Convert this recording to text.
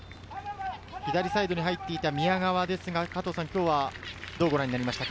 左サイドに入っていた宮川ですが、今日、どうご覧になりましたか？